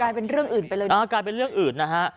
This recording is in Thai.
กลายเป็นเรื่องอื่นไปเลยนะ